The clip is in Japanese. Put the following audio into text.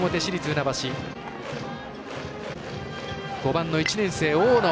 ５番の１年生、大野。